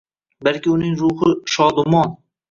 balki uning ruhi – shodumon.